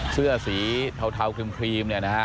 เสื้อสีเทาครีมเนี่ยนะฮะ